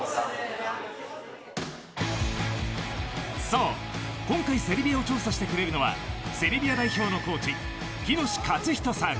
そう、今回セルビアを調査してくれるのはセルビア代表のコーチ喜熨斗勝史さん。